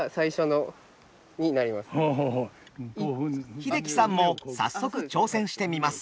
英樹さんも早速挑戦してみます。